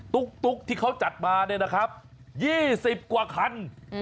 ตุ๊กที่เขาจัดมาเนี่ยนะครับ๒๐กว่าคัน